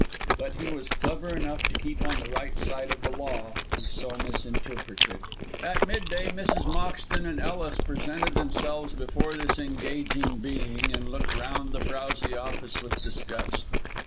But he was clever enough to keep on the right side of the law he so misinterpreted. At mid day Mrs. Moxton and Ellis presented themselves before this engaging being, and looked round the frowsy office with disgust.